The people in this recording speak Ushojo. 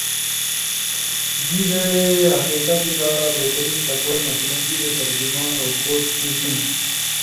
جیبے ھقیقت کارا بہترین سپورٹ مثلاً جیبے ترجمہ اؤ کوڈ سوئچنگ